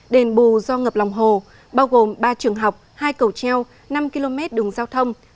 đền bù do ngập lòng hồ bao gồm ba trường học hai cầu treo năm km đường giao thông